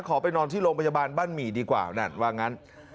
ไปนอนที่โรงพยาบาลบ้านหมี่ดีกว่านั่นว่างั้น